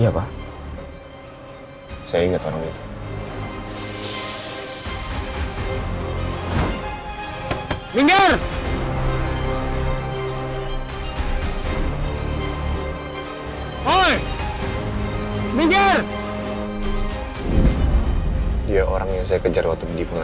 belum belum kita turun